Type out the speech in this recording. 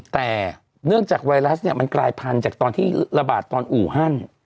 แต่เนื่องจากไวรัสเนี่ยมันกลายพันธุ์จากตอนที่ระบาดตอนอู่ฮั่น